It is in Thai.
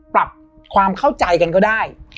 ปรับความเข้าใจกันก็ได้